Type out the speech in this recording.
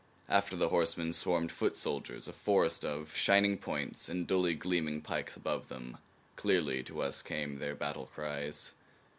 After the horsemen swarmed foot soldiers, a forest of shining points and dully gleaming pikes above them. Clearly to us came their battlecries.